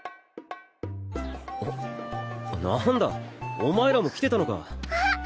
あっ何だお前らも来てたのかあっ！